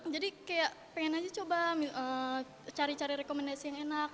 jadi kayak pengen aja coba cari cari rekomendasi yang enak